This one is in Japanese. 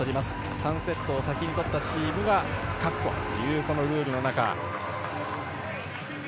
３セットを先に取ったチームが勝つというこのルールの中。